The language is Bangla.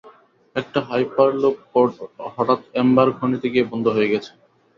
একটা হাইপারলুপ পড হঠাৎ এম্বার খনিতে গিয়ে বন্ধ হয়ে গেছে।